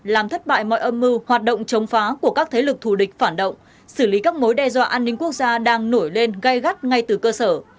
làm thất bại mọi âm mưu hoạt động chống phá của các thế lực thù địch phản động xử lý các mối đe dọa an ninh quốc gia đang nổi lên gây gắt ngay từ cơ sở